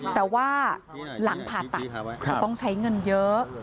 แต่ว่าหลังผ่าตัดก็ต้องใช้เงินเยอะ